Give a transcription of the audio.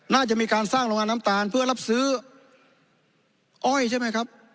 น่าจะมีการสร้างโรงงานน้ำตาลเพื่อรับซื้ออ้อยใช่ไหมครับ